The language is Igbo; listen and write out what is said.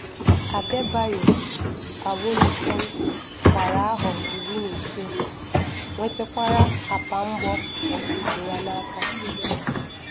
Adebayo Awolesin gbara ahọ iri na ise nwètèkwàrà àpà mgbọ nke ya n'aka